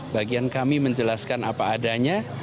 bagian kami menjelaskan apa adanya